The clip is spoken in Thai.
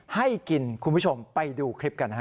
ให้กินคุณผู้ชมไปดูคลิปกันนะฮะ